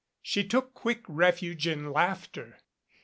She took quick refuge in laughter.